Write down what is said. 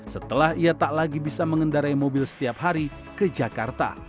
setelah ia tak lagi bisa mengendarai mobil setiap hari ke jakarta